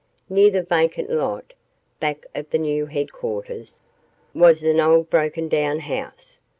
Near the vacant lot, back of the new headquarters, was an old broken down house.